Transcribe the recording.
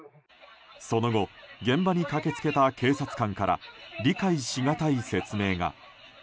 その後現場に駆けつけた警察官から理解しがたい説明が。